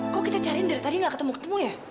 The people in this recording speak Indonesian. kok kita cariin dari tadi nggak ketemu ketemu ya